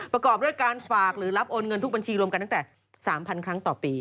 ประกอบด้วยการฝากหรือรับโอนเงินทุกบัญชีรวมกันตั้งแต่๓๐๐ครั้งต่อปี